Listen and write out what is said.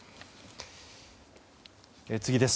次です。